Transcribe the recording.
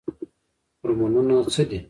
هورمونونه څه دي؟